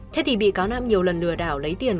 thế thì bị cáo nam nhiều lần lừa đảo lấy tiền